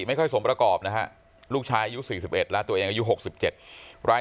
ไม่ค่อยสมประกอบนะฮะลูกชายอายุ๔๑แล้วตัวเองอายุ๖๗ราย